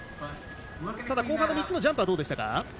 後半の３つのジャンプはどうでしたか。